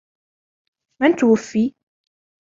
من توفي؟